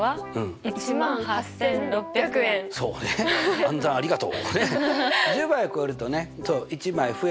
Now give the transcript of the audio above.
暗算ありがとう。